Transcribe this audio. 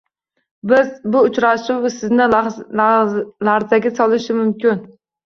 Bu uchrashuv Sizni larzaga solishi mumkin